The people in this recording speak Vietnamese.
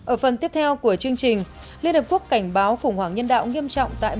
ở phần tiếp theo của chương trình liên hợp quốc cảnh báo khủng hoảng nhân đạo nghiêm trọng tại